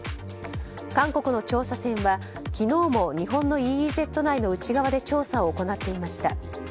韓国の調査船は昨日も日本のＥＥＺ内の内側で調査を行っていました。